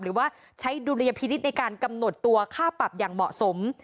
หรือว่าใช้ดุลยพินิษฐ์ในการกำหนดตัวค่าปรับอย่างเหมาะสม